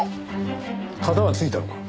カタはついたのか？